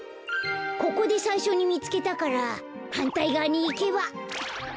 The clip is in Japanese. ここでさいしょにみつけたからはんたいがわにいけば。